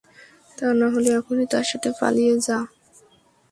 তানাহলে এখনই তার সাথে পালিয়ে যা।